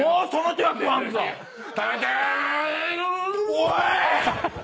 おい！